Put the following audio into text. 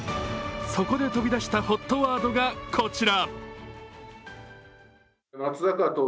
そこで飛び出したＨＯＴワードがこちら。